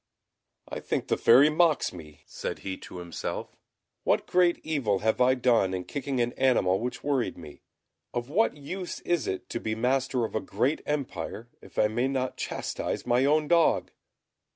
"I think the Fairy mocks me," said he to himself. "What great evil have I done in kicking an animal which worried me? Of what use is it to be master of a great empire if I may not chastise my own dog?"